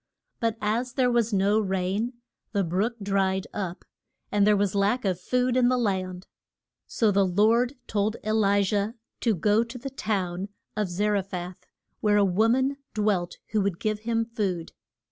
But as there was no rain, the brook dried up, and there was lack of food in the land. So the Lord told E li jah to go to the town of Za re phath, where a wo man dwelt who would give him food.